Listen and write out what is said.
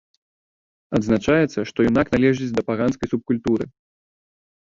Адзначаецца, што юнак належыць да паганскай субкультуры.